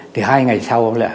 thì hai ngày sau